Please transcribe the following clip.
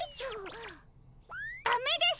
ダメです。